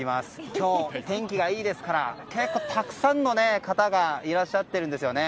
今日、天気がいいですから結構、たくさんの方がいらっしゃっているんですよね。